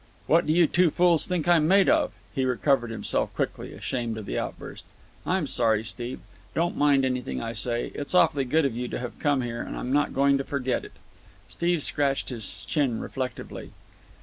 "What do you two fools think I'm made of?" He recovered himself quickly, ashamed of the outburst. "I'm sorry, Steve. Don't mind anything I say. It's awfully good of you to have come here, and I'm not going to forget it." Steve scratched his chin reflectively.